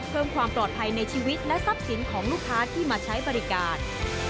เพิ่มความปลอดภัยในชีวิตและทรัพย์สินของลูกค้าที่มาใช้บริการ